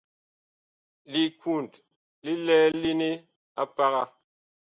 Likund li lɛlene a paga.